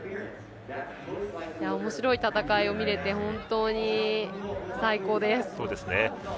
おもしろい戦いを見れて本当に最高です。